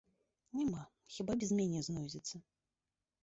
Няма, хіба без мяне знойдзецца.